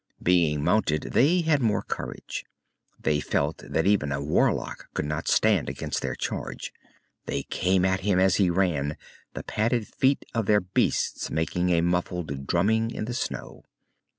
Being mounted, they had more courage. They felt that even a warlock could not stand against their charge. They came at him as he ran, the padded feet of their beasts making a muffled drumming in the snow.